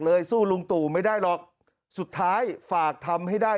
สู้ลุงตู่ไม่ได้หรอกสุดท้ายฝากทำให้ได้